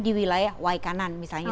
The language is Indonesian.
di wilayah waikanan misalnya